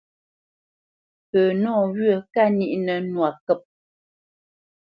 Pə nɔwyə̂ kâ níʼ nə́ nwâ kə̂p.